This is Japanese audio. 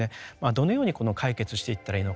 どのように解決していったらいいのか。